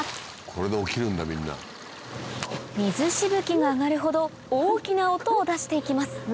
水しぶきが上がるほど大きな音を出して行きます